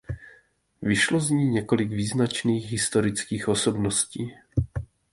Vyšlo z ní několik význačných historických osobností.